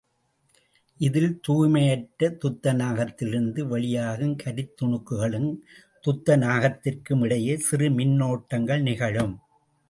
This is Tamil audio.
இதில் தூய்மையற்ற துத்தநாகத்திலிருந்து வெளியாகும் கரித்துணுக்களுக்கும் துத்தநாகத்திற்குமிடையே சிறு மின்னோட்டங்கள் நிகழும்.